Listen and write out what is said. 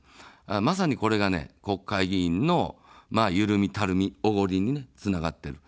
まさにこれが国会議員のゆるみ、たるみ、おごりにつながっている。